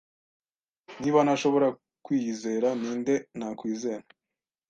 Niba ntashobora kwiyizera, ninde nakwizera?